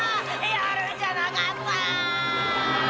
「やるんじゃなかった！」